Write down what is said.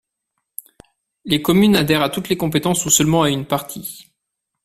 Les communes adhèrent à toutes les compétences ou seulement à une partie.